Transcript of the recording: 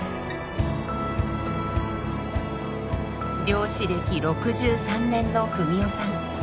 漁師歴６３年の二三夫さん。